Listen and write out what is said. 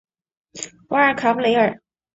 瓦尔卡布雷尔。